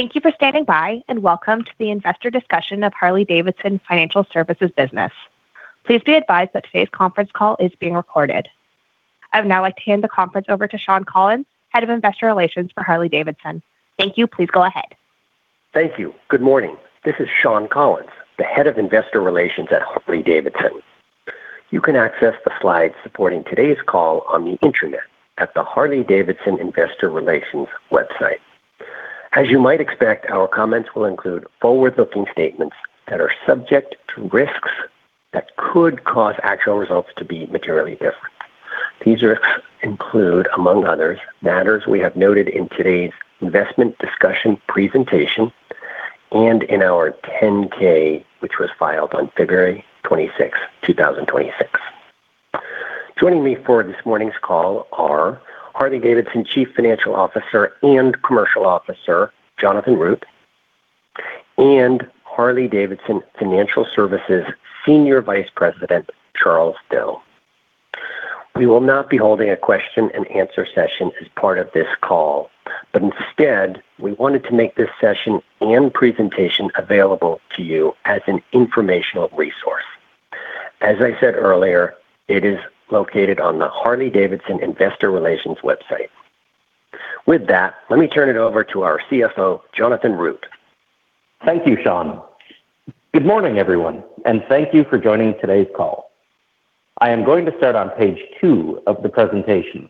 Thank you for standing by, and welcome to the investor discussion of Harley-Davidson Financial Services business. Please be advised that today's conference call is being recorded. I would now like to hand the conference over to Shawn Collins, Head of Investor Relations for Harley-Davidson. Thank you. Please go ahead. Thank you. Good morning. This is Shawn Collins, the head of investor relations at Harley-Davidson. You can access the slides supporting today's call on the internet at the Harley-Davidson investor relations website. As you might expect, our comments will include forward-looking statements that are subject to risks that could cause actual results to be materially different. These risks include, among others, matters we have noted in today's investment discussion presentation and in our 10-K, which was filed on February 26, 2026. Joining me for this morning's call are Harley-Davidson Chief Financial and Commercial Officer, Jonathan Root, and Harley-Davidson Financial Services Senior Vice President, Charles Do. We will not be holding a question and answer session as part of this call, but instead, we wanted to make this session and presentation available to you as an informational resource. As I said earlier, it is located on the Harley-Davidson investor relations website. With that, let me turn it over to our CFO, Jonathan Root. Thank you, Shawn. Good morning, everyone, and thank you for joining today's call. I am going to start on page two of the presentation.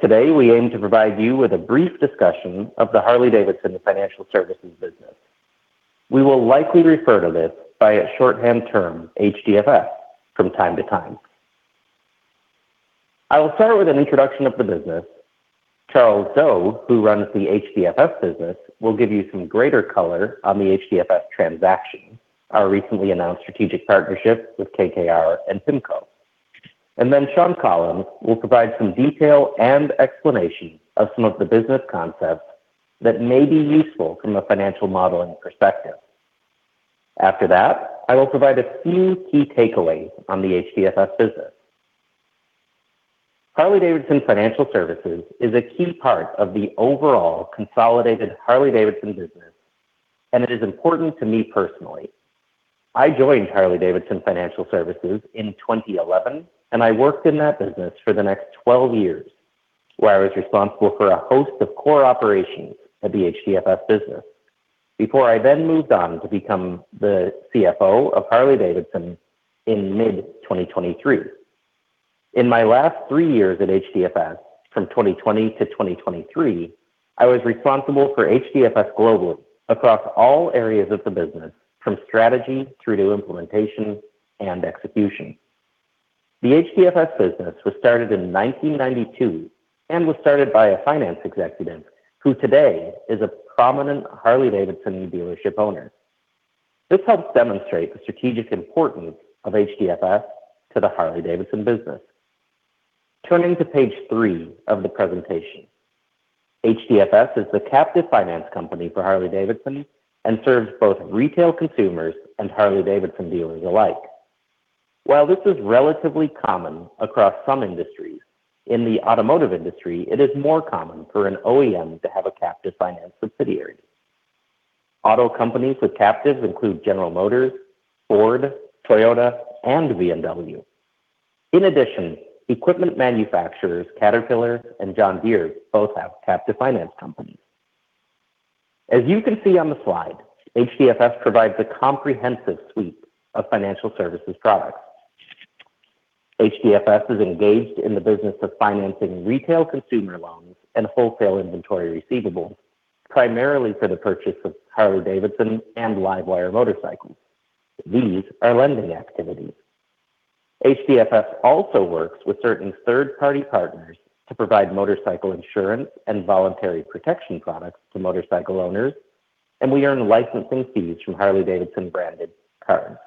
Today, we aim to provide you with a brief discussion of the Harley-Davidson Financial Services business. We will likely refer to this by a shorthand term, HDFS, from time to time. I will start with an introduction of the business. Charles Do, who runs the HDFS business, will give you some greater color on the HDFS transaction, our recently announced strategic partnership with KKR and PIMCO. Shawn Collins will provide some detail and explanation of some of the business concepts that may be useful from a financial modeling perspective. After that, I will provide a few key takeaways on the HDFS business. Harley-Davidson Financial Services is a key part of the overall consolidated Harley-Davidson business, and it is important to me personally. I joined Harley-Davidson Financial Services in 2011, and I worked in that business for the next 12 years, where I was responsible for a host of core operations of the HDFS business before I then moved on to become the CFO of Harley-Davidson in mid-2023. In my last three years at HDFS, from 2020 to 2023, I was responsible for HDFS globally across all areas of the business, from strategy through to implementation and execution. The HDFS business was started in 1992 by a finance executive who today is a prominent Harley-Davidson dealership owner. This helps demonstrate the strategic importance of HDFS to the Harley-Davidson business. Turning to page three of the presentation. HDFS is the captive finance company for Harley-Davidson and serves both retail consumers and Harley-Davidson dealers alike. While this is relatively common across some industries, in the automotive industry, it is more common for an OEM to have a captive finance subsidiary. Auto companies with captives include General Motors, Ford, Toyota, and BMW. In addition, equipment manufacturers Caterpillar and John Deere both have captive finance companies. As you can see on the slide, HDFS provides a comprehensive suite of financial services products. HDFS is engaged in the business of financing retail consumer loans and wholesale inventory receivables, primarily for the purchase of Harley-Davidson and LiveWire motorcycles. These are lending activities. HDFS also works with certain third-party partners to provide motorcycle insurance and voluntary protection products to motorcycle owners, and we earn licensing fees from Harley-Davidson-branded cards.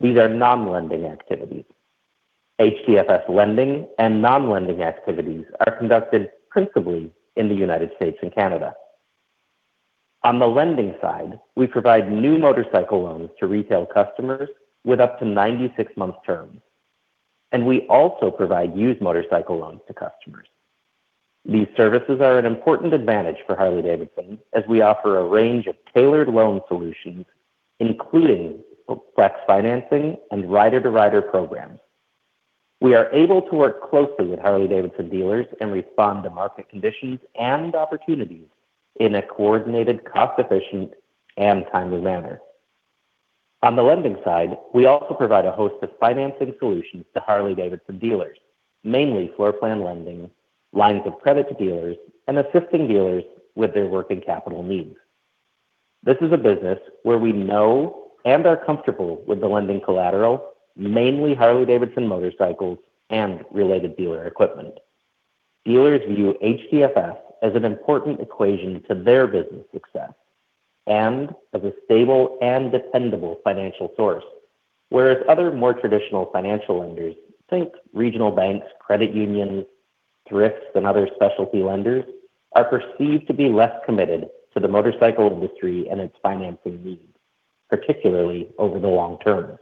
These are non-lending activities. HDFS lending and non-lending activities are conducted principally in the United States and Canada. On the lending side, we provide new motorcycle loans to retail customers with up to 96 months terms, and we also provide used motorcycle loans to customers. These services are an important advantage for Harley-Davidson as we offer a range of tailored loan solutions, including Flex Financing and Rider-to-Rider programs. We are able to work closely with Harley-Davidson dealers and respond to market conditions and opportunities in a coordinated, cost-efficient, and timely manner. On the lending side, we also provide a host of financing solutions to Harley-Davidson dealers, mainly floor plan lending, lines of credit to dealers, and assisting dealers with their working capital needs. This is a business where we know and are comfortable with the lending collateral, mainly Harley-Davidson motorcycles and related dealer equipment. Dealers view HDFS as an important equation to their business success and as a stable and dependable financial source. Whereas other, more traditional financial lenders, think regional banks, credit unions, thrifts, and other specialty lenders, are perceived to be less committed to the motorcycle industry and its financing needs, particularly over the long term.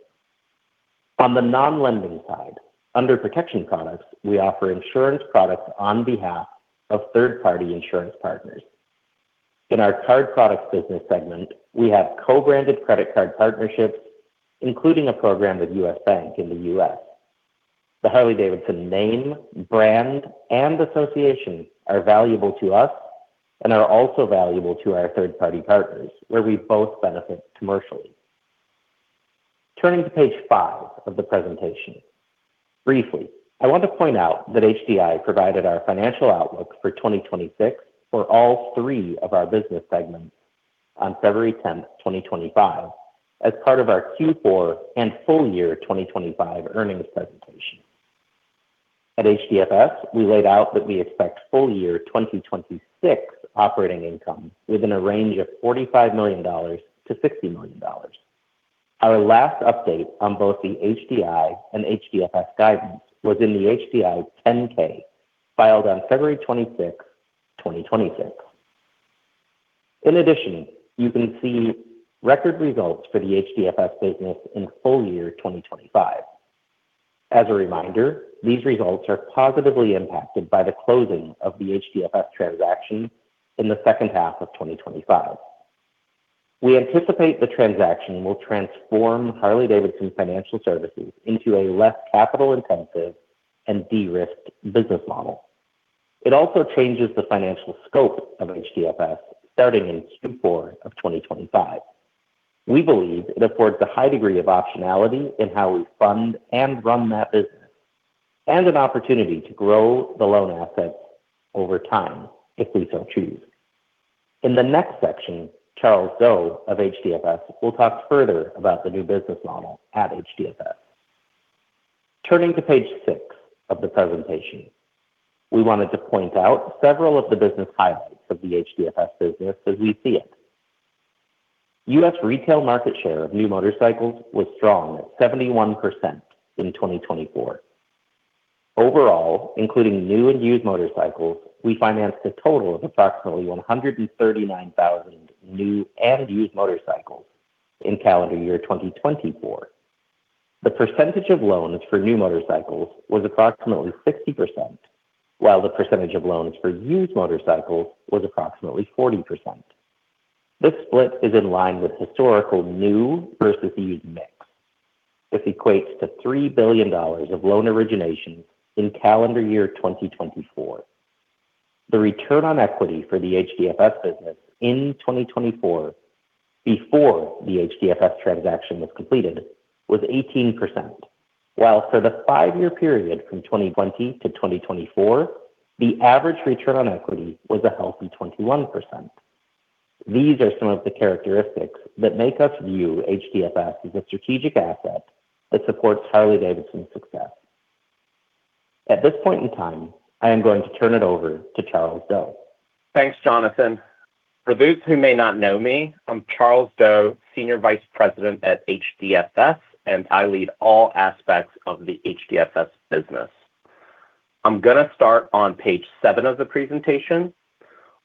On the non-lending side, under Protection Products, we offer insurance products on behalf of third-party insurance partners. In our Card Products business segment, we have co-branded credit card partnerships, including a program with U.S. Bank in the U.S. The Harley-Davidson name, brand, and association are valuable to us and are also valuable to our third-party partners, where we both benefit commercially. Turning to page five of the presentation. Briefly, I want to point out that HDI provided our financial outlook for 2026 for all three of our business segments on February 10th, 2025, as part of our Q4 and full year 2025 earnings presentation. At HDFS, we laid out that we expect full year 2026 operating income within a range of $45 million-$60 million. Our last update on both the HDI and HDFS guidance was in the HDI Form 10-K, filed on February 26th, 2026. In addition, you can see record results for the HDFS business in full year 2025. As a reminder, these results are positively impacted by the closing of the HDFS transaction in the second half of 2025. We anticipate the transaction will transform Harley-Davidson Financial Services into a less capital-intensive and de-risked business model. It also changes the financial scope of HDFS, starting in Q4 of 2025. We believe it affords a high degree of optionality in how we fund and run that business, and an opportunity to grow the loan assets over time if we so choose. In the next section, Charles Do of HDFS will talk further about the new business model at HDFS. Turning to page six of the presentation, we wanted to point out several of the business highlights of the HDFS business as we see it. U.S. retail market share of new motorcycles was strong at 71% in 2024. Overall, including new and used motorcycles, we financed a total of approximately 139,000 new and used motorcycles in calendar year 2024. The percentage of loans for new motorcycles was approximately 60%, while the percentage of loans for used motorcycles was approximately 40%. This split is in line with historical new versus used mix. This equates to $3 billion of loan originations in calendar year 2024. The return on equity for the HDFS business in 2024, before the HDFS transaction was completed, was 18%, while for the five-year period from 2020 to 2024, the average return on equity was a healthy 21%. These are some of the characteristics that make us view HDFS as a strategic asset that supports Harley-Davidson's success. At this point in time, I am going to turn it over to Charles Do. Thanks, Jonathan. For those who may not know me, I'm Charles Do, Senior Vice President at HDFS, and I lead all aspects of the HDFS business. I'm going to start on page seven of the presentation.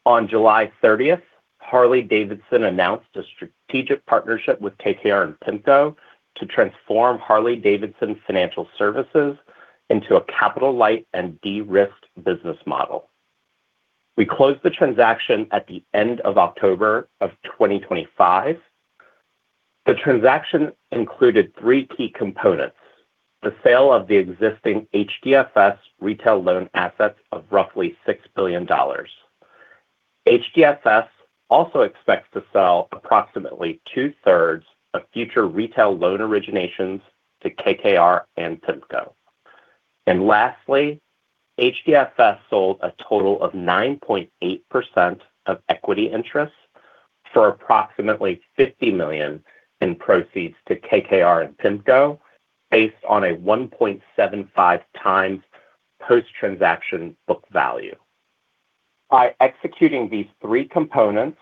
On July 30th, Harley-Davidson announced a strategic partnership with KKR and PIMCO to transform Harley-Davidson Financial Services into a capital-light and de-risked business model. We closed the transaction at the end of October of 2025. The transaction included three key components, the sale of the existing HDFS retail loan assets of roughly $6 billion. HDFS also expects to sell approximately two-thirds of future retail loan originations to KKR and PIMCO. Lastly, HDFS sold a total of 9.8% of equity interest for approximately $50 million in proceeds to KKR and PIMCO based on a 1.75 times post-transaction book value. By executing these three components,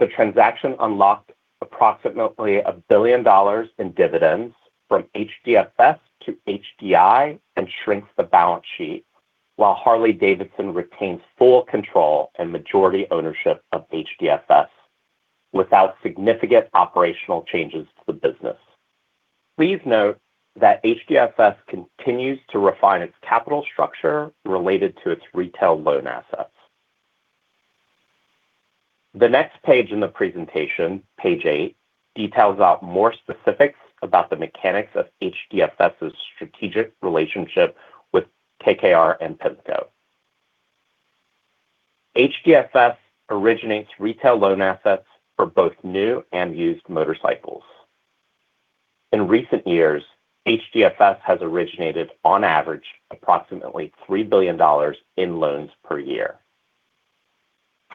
the transaction unlocked approximately $1 billion in dividends from HDFS to HDI and shrinks the balance sheet while Harley-Davidson retains full control and majority ownership of HDFS without significant operational changes to the business. Please note that HDFS continues to refine its capital structure related to its retail loan assets. The next page in the presentation, page 8, details out more specifics about the mechanics of HDFS's strategic relationship with KKR and PIMCO. HDFS originates retail loan assets for both new and used motorcycles. In recent years, HDFS has originated, on average, approximately $3 billion in loans per year.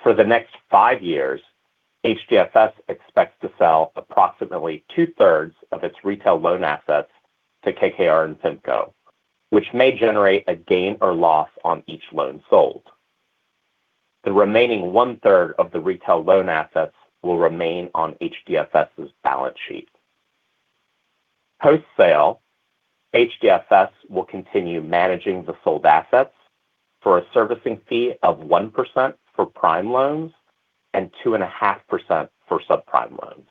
For the next 5 years, HDFS expects to sell approximately 2/3 of its retail loan assets to KKR and PIMCO, which may generate a gain or loss on each loan sold. The remaining 1/3 of the retail loan assets will remain on HDFS's balance sheet. Post-sale, HDFS will continue managing the sold assets. For a servicing fee of 1% for prime loans and 2.5% for subprime loans.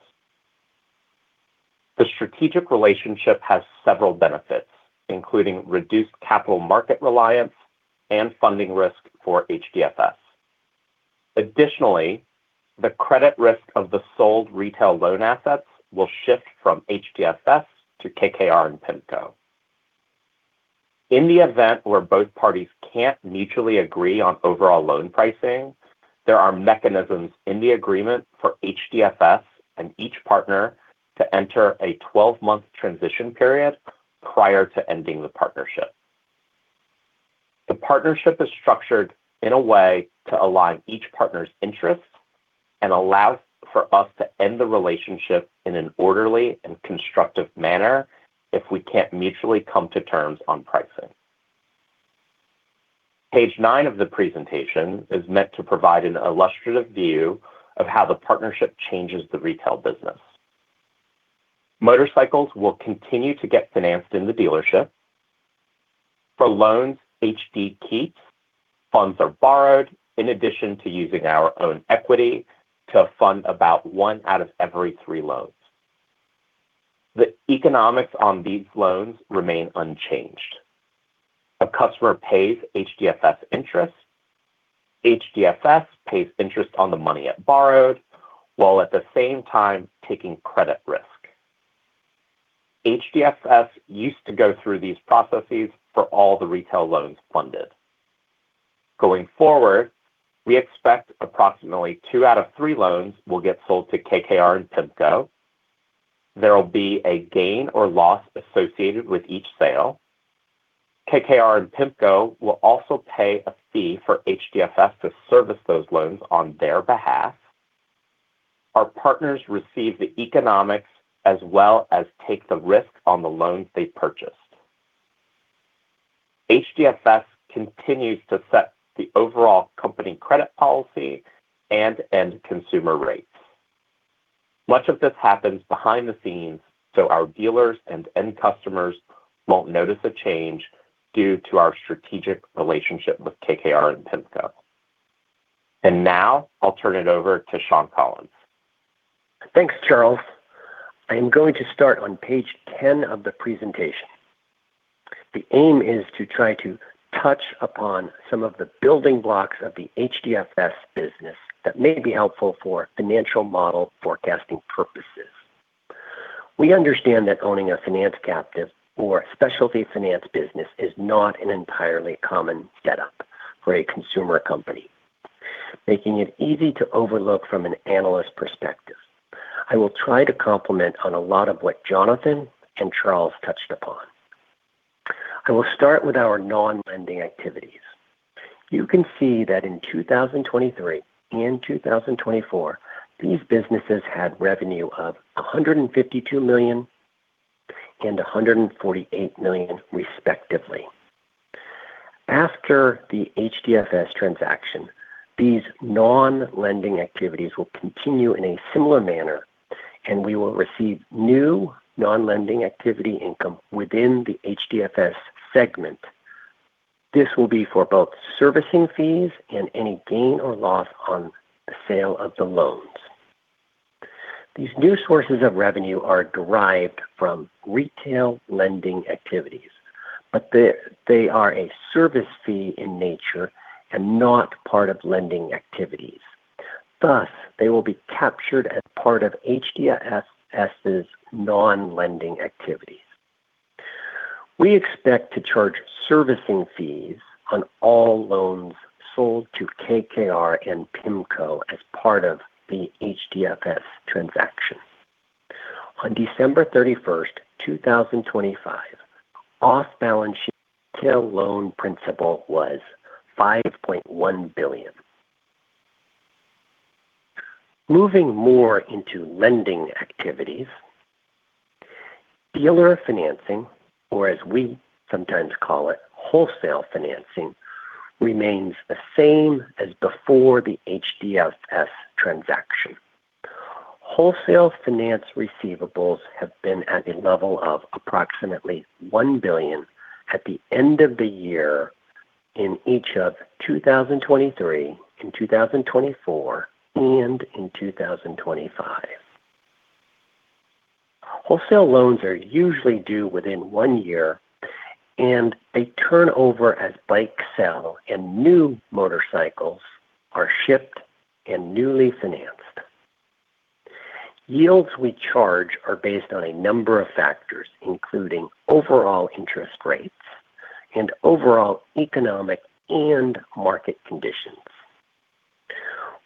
The strategic relationship has several benefits, including reduced capital market reliance and funding risk for HDFS. Additionally, the credit risk of the sold retail loan assets will shift from HDFS to KKR and PIMCO. In the event where both parties can't mutually agree on overall loan pricing, there are mechanisms in the agreement for HDFS and each partner to enter a 12-month transition period prior to ending the partnership. The partnership is structured in a way to align each partner's interests and allows for us to end the relationship in an orderly and constructive manner if we can't mutually come to terms on pricing. Page nine of the presentation is meant to provide an illustrative view of how the partnership changes the retail business. Motorcycles will continue to get financed in the dealership. For loans HD keeps, funds are borrowed in addition to using our own equity to fund about one out of every three loans. The economics on these loans remain unchanged. A customer pays HDFS interest, HDFS pays interest on the money it borrowed, while at the same time taking credit risk. HDFS used to go through these processes for all the retail loans funded. Going forward, we expect approximately two out of three loans will get sold to KKR and PIMCO. There will be a gain or loss associated with each sale. KKR and PIMCO will also pay a fee for HDFS to service those loans on their behalf. Our partners receive the economics as well as take the risk on the loans they purchased. HDFS continues to set the overall company credit policy and end consumer rates. Much of this happens behind the scenes, so our dealers and end customers won't notice a change due to our strategic relationship with KKR and PIMCO. Now I'll turn it over to Shawn Collins. Thanks, Charles. I'm going to start on page 10 of the presentation. The aim is to try to touch upon some of the building blocks of the HDFS business that may be helpful for financial model forecasting purposes. We understand that owning a finance captive or a specialty finance business is not an entirely common setup for a consumer company, making it easy to overlook from an analyst perspective. I will try to comment on a lot of what Jonathan and Charles touched upon. I will start with our non-lending activities. You can see that in 2023 and 2024, these businesses had revenue of $152 million and $148 million respectively. After the HDFS transaction, these non-lending activities will continue in a similar manner, and we will receive new non-lending activity income within the HDFS segment. This will be for both servicing fees and any gain or loss on the sale of the loans. These new sources of revenue are derived from retail lending activities, but they are a service fee in nature and not part of lending activities. Thus, they will be captured as part of HDFS's non-lending activities. We expect to charge servicing fees on all loans sold to KKR and PIMCO as part of the HDFS transaction. On December 31st, 2025, off-balance sheet tail loan principal was $5.1 billion. Moving more into lending activities, dealer financing, or as we sometimes call it, wholesale financing, remains the same as before the HDFS transaction. Wholesale finance receivables have been at a level of approximately $1 billion at the end of the year in each of 2023, in 2024, and in 2025. Wholesale loans are usually due within one year and they turn over as bikes sell and new motorcycles are shipped and newly financed. Yields we charge are based on a number of factors, including overall interest rates and overall economic and market conditions.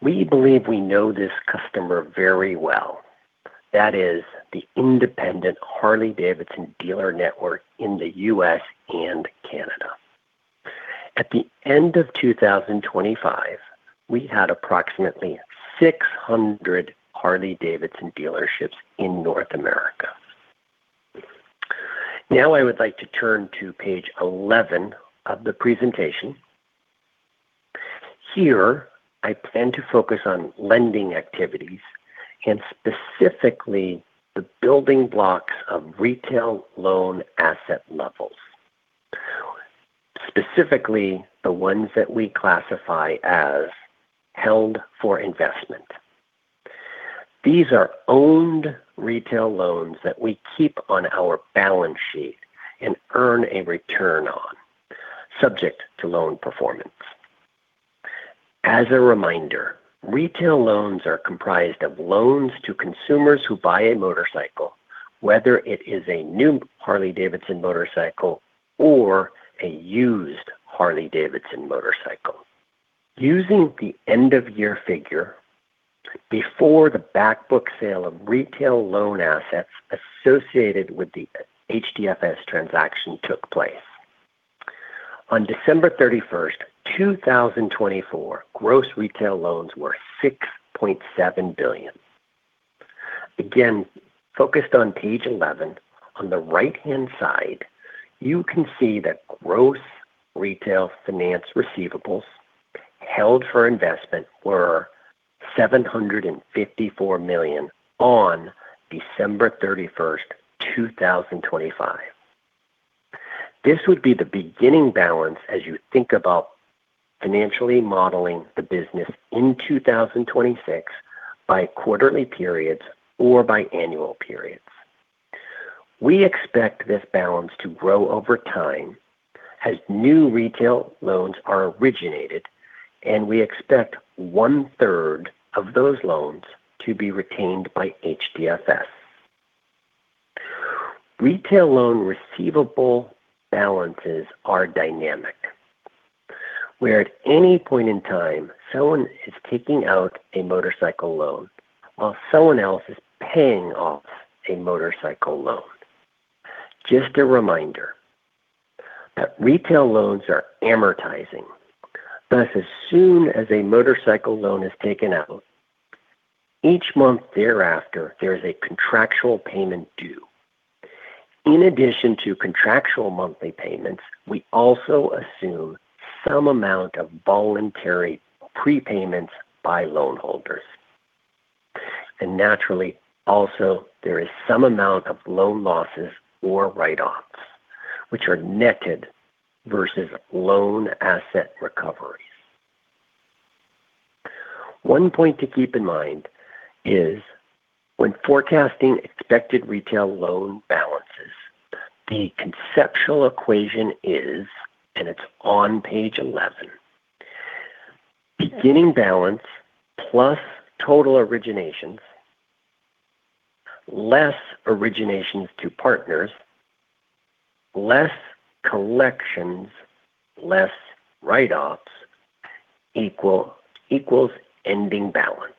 We believe we know this customer very well. That is the independent Harley-Davidson dealer network in the U.S. and Canada. At the end of 2025, we had approximately 600 Harley-Davidson dealerships in North America. Now I would like to turn to page 11 of the presentation. Here, I plan to focus on lending activities and specifically the building blocks of retail loan asset levels, specifically the ones that we classify as held for investment. These are owned retail loans that we keep on our balance sheet and earn a return on, subject to loan performance. As a reminder, retail loans are comprised of loans to consumers who buy a motorcycle, whether it is a new Harley-Davidson motorcycle or a used Harley-Davidson motorcycle, using the end-of-year figure before the back book sale of retail loan assets associated with the HDFS transaction took place on December 31st, 2024, gross retail loans were $6.7 billion. Again, focused on page 11, on the right-hand side, you can see that gross retail finance receivables held for investment were $754 million on December 31st, 2025. This would be the beginning balance as you think about financially modeling the business in 2026 by quarterly periods or by annual periods. We expect this balance to grow over time as new retail loans are originated, and we expect 1/3 of those loans to be retained by HDFS. Retail loan receivable balances are dynamic, where at any point in time, someone is taking out a motorcycle loan while someone else is paying off a motorcycle loan. Just a reminder that retail loans are amortizing. Thus, as soon as a motorcycle loan is taken out, each month thereafter, there is a contractual payment due. In addition to contractual monthly payments, we also assume some amount of voluntary prepayments by loan holders. Naturally, also, there is some amount of loan losses or write-offs, which are netted versus loan asset recoveries. One point to keep in mind is when forecasting expected retail loan balances, the conceptual equation is, and it's on page 11, beginning balance plus total originations, less originations to partners, less collections, less write-offs, equals ending balance.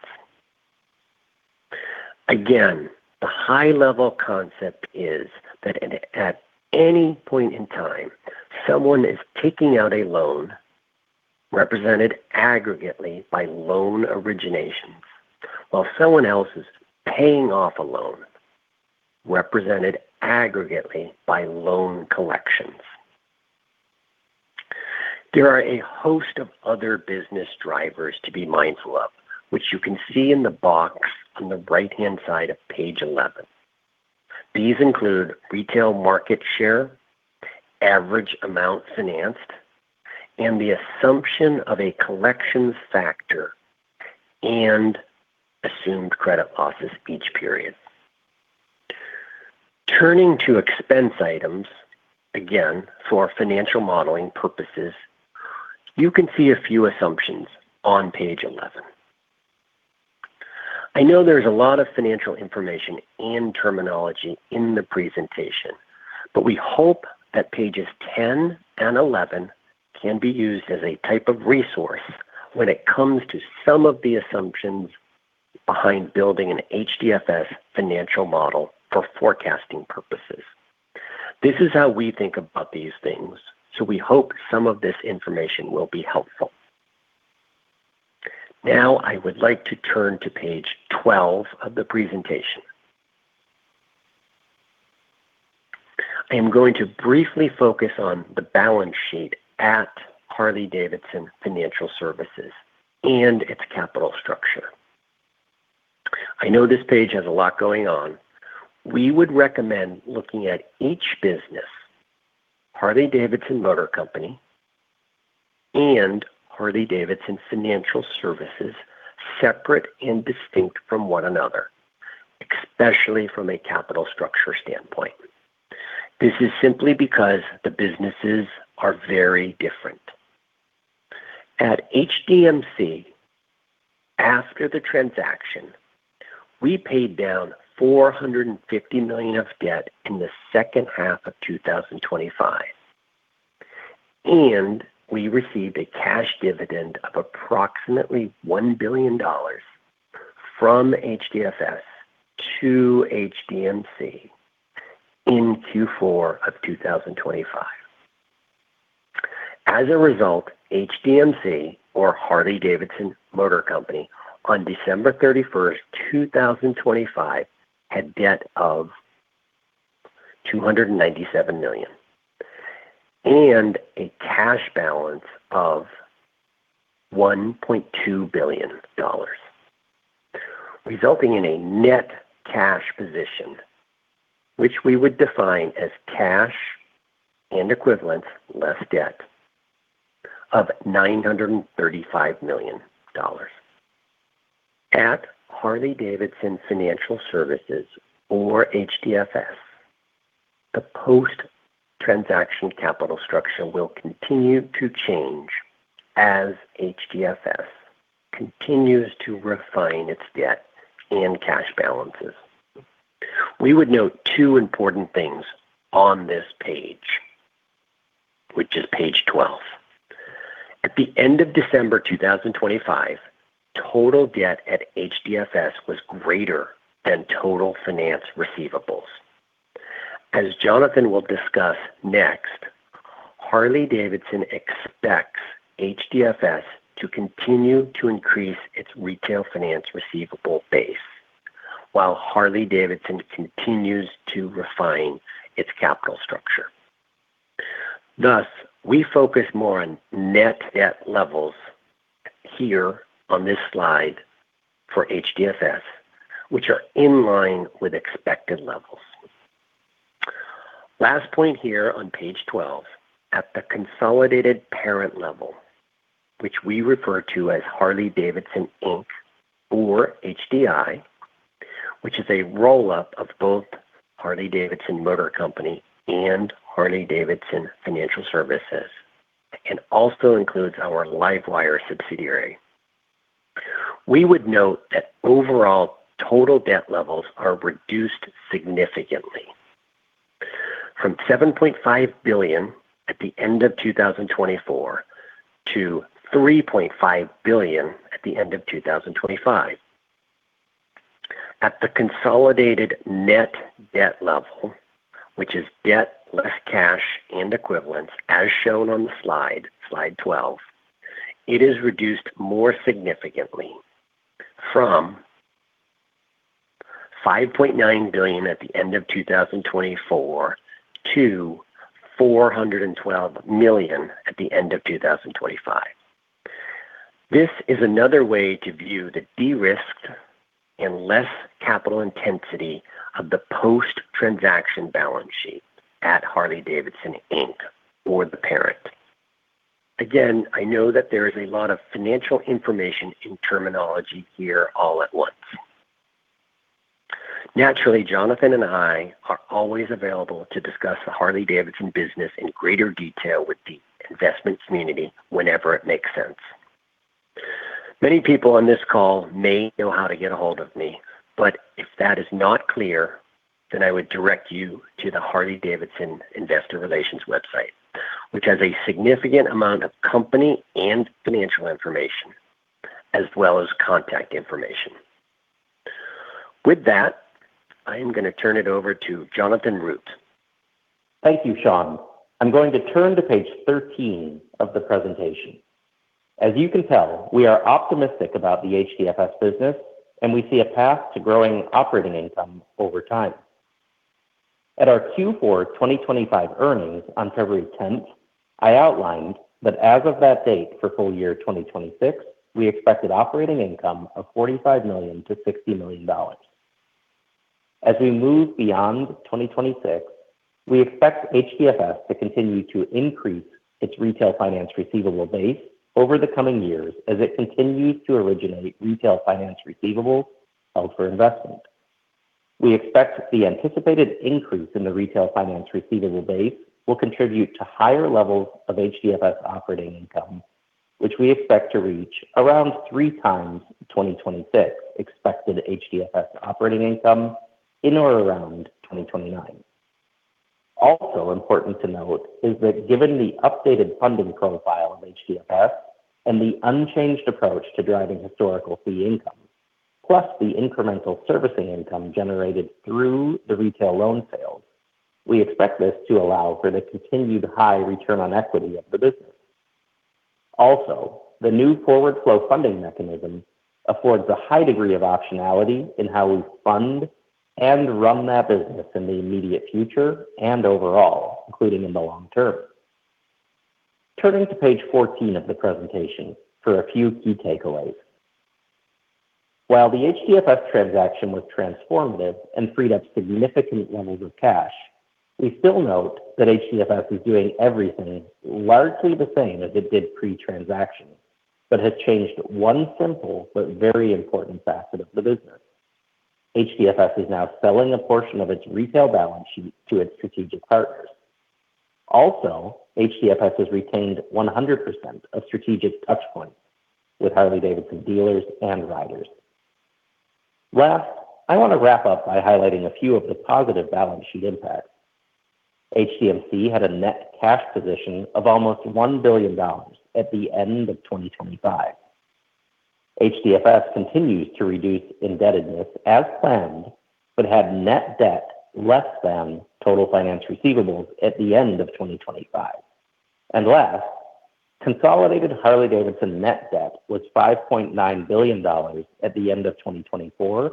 Again, the high-level concept is that at any point in time, someone is taking out a loan represented aggregately by loan originations while someone else is paying off a loan represented aggregately by loan collections. There are a host of other business drivers to be mindful of, which you can see in the box on the right-hand side of page 11. These include retail market share, average amount financed, and the assumption of a collections factor and assumed credit losses each period. Turning to expense items, again, for financial modeling purposes, you can see a few assumptions on page 11. I know there's a lot of financial information and terminology in the presentation, but we hope that pages 10 and 11 can be used as a type of resource when it comes to some of the assumptions behind building an HDFS financial model for forecasting purposes. This is how we think about these things, so we hope some of this information will be helpful. Now, I would like to turn to page 12 of the presentation. I am going to briefly focus on the balance sheet at Harley-Davidson Financial Services and its capital structure. I know this page has a lot going on. We would recommend looking at each business, Harley-Davidson Motor Company and Harley-Davidson Financial Services, separate and distinct from one another, especially from a capital structure standpoint. This is simply because the businesses are very different. At HDMC, after the transaction, we paid down $450 million of debt in the second half of 2025, and we received a cash dividend of approximately $1 billion from HDFS to HDMC in Q4 of 2025. As a result, HDMC, or Harley-Davidson Motor Company, on December 31st, 2025, had debt of $297 million and a cash balance of $1.2 billion, resulting in a net cash position, which we would define as cash and equivalents less debt of $935 million. At Harley-Davidson Financial Services, or HDFS, the post-transaction capital structure will continue to change as HDFS continues to refine its debt and cash balances. We would note two important things on this page, which is page 12. At the end of December 2025, total debt at HDFS was greater than total finance receivables. As Jonathan will discuss next, Harley-Davidson expects HDFS to continue to increase its retail finance receivable base while Harley-Davidson continues to refine its capital structure. Thus, we focus more on net debt levels here on this slide for HDFS, which are in line with expected levels. Last point here on page 12, at the consolidated parent level, which we refer to as Harley-Davidson, Inc., or HDI, which is a roll-up of both Harley-Davidson Motor Company and Harley-Davidson Financial Services, and also includes our LiveWire subsidiary. We would note that overall total debt levels are reduced significantly from $7.5 billion at the end of 2024 to $3.5 billion at the end of 2025. At the consolidated net debt level, which is debt less cash and equivalents, as shown on the slide 12, it is reduced more significantly from $5.9 billion at the end of 2024 to $412 million at the end of 2025. This is another way to view the de-risked and less capital intensity of the post-transaction balance sheet at Harley-Davidson, Inc., or the parent. Again, I know that there is a lot of financial information and terminology here all at once. Naturally, Jonathan and I are always available to discuss the Harley-Davidson business in greater detail with the investment community whenever it makes sense. Many people on this call may know how to get a hold of me, but if that is not clear, then I would direct you to the harley-davidson investor relations website, which has a significant amount of company and financial information, as well as contact information. With that, I am going to turn it over to Jonathan Root. Thank you, Shawn. I'm going to turn to page 13 of the presentation. As you can tell, we are optimistic about the HDFS business, and we see a path to growing operating income over time. At our Q4 2025 earnings on February 10th, I outlined that as of that date for full year 2026, we expected operating income of $45 million-$60 million. As we move beyond 2026, we expect HDFS to continue to increase its retail finance receivable base over the coming years as it continues to originate retail finance receivables held for investment. We expect the anticipated increase in the retail finance receivable base will contribute to higher levels of HDFS operating income, which we expect to reach around three times 2026 expected HDFS operating income in or around 2029. Important to note is that given the updated funding profile of HDFS and the unchanged approach to driving historical fee income, plus the incremental servicing income generated through the retail loan sales, we expect this to allow for the continued high return on equity of the business. The new forward flow funding mechanism affords a high degree of optionality in how we fund and run that business in the immediate future and overall, including in the long term. Turning to page 14 of the presentation for a few key takeaways. While the HDFS transaction was transformative and freed up significant levels of cash, we still note that HDFS is doing everything largely the same as it did pre-transaction, but has changed one simple but very important facet of the business. HDFS is now selling a portion of its retail balance sheet to its strategic partners. HDFS has retained 100% of strategic touch points with Harley-Davidson dealers and riders. Last, I want to wrap up by highlighting a few of the positive balance sheet impacts. HDMC had a net cash position of almost $1 billion at the end of 2025. HDFS continues to reduce indebtedness as planned, but had net debt less than total finance receivables at the end of 2025. Last, consolidated Harley-Davidson net debt was $5.9 billion at the end of 2024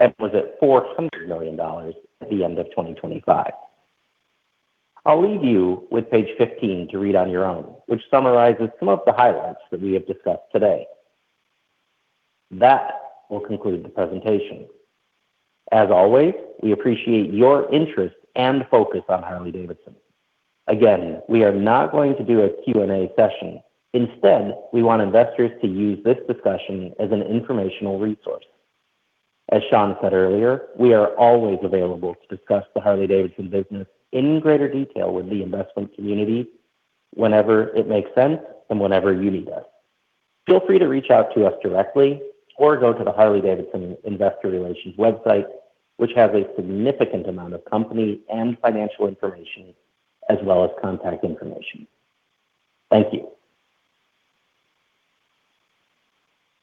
and was at $400 million at the end of 2025. I'll leave you with page 15 to read on your own, which summarizes some of the highlights that we have discussed today. That will conclude the presentation. As always, we appreciate your interest and focus on Harley-Davidson. Again, we are not going to do a Q&A session. Instead, we want investors to use this discussion as an informational resource. As Shawn said earlier, we are always available to discuss the Harley-Davidson business in greater detail with the investment community whenever it makes sense and whenever you need us. Feel free to reach out to us directly or go to the Harley-Davidson Investor Relations website, which has a significant amount of company and financial information, as well as contact information. Thank you.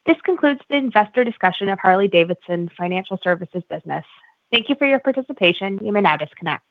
This concludes the investor discussion of Harley-Davidson Financial Services business. Thank you for your participation. You may now disconnect.